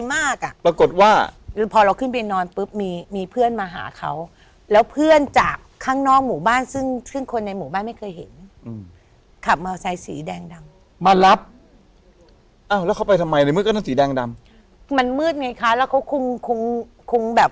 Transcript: มันมืดไงคะแล้วเขาคงแบบ